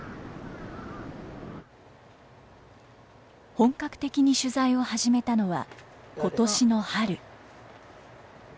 本格的に取材を始めたのは今年の春。